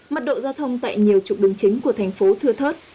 mật độ giao thông tại nhiều trục đường chính của thành phố thưa thớt